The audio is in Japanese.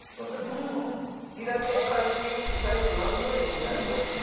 イラストを描いていって最後なんの絵になるかっていう。